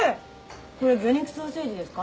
これ魚肉ソーセージですか？